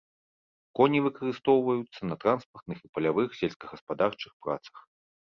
Коні выкарыстоўваюцца на транспартных і палявых сельскагаспадарчых працах.